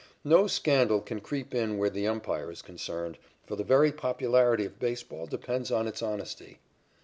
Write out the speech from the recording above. No scandal can creep in where the umpire is concerned, for the very popularity of baseball depends on its honesty.